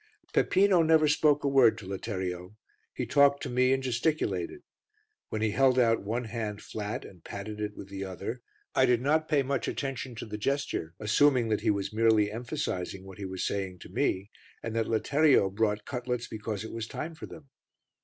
Peppino never spoke a word to Letterio; he talked to me and gesticulated. When he held out one hand flat and patted it with the other, I did not pay much attention to the gesture, assuming that he was merely emphasizing what he was saying to me, and that Letterio brought cutlets because it was time for them.